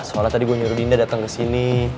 soalnya tadi gue nyuruh dinda dateng kesini